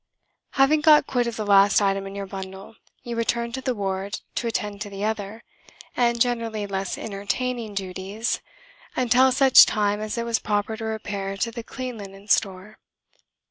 Having got quit of the last item in your bundle, you returned to the ward to attend to other (and generally less entertaining) duties until such time as it was proper to repair to the Clean Linen Store.